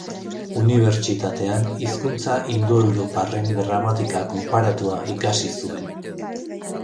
Unibertsitatean hizkuntza indoeuroparren gramatika konparatua ikasi zuen.